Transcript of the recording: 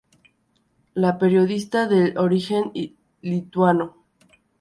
La periodista de origen lituano Dra.